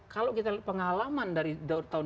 kalau kita lihat pengalaman dari tahun dua ribu